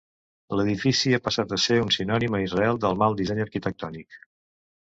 L'edifici ha passat a ser un sinònim a Israel del mal disseny arquitectònic.